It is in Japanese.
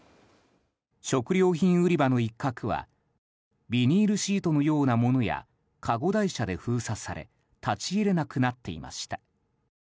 食料品売り場の一角はビニールシートのようなものやかご台車で封鎖され立ち入れなくなっていました。